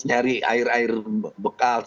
mencari air air bekal